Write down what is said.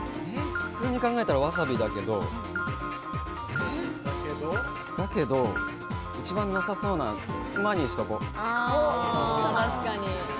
普通に考えたらわさびだけれど、一番なさそうな、つまにしとこう。